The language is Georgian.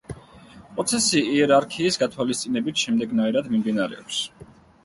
პროცესი იერარქიის გათვალისწინებით შემდეგნაირად მიმდინარეობს.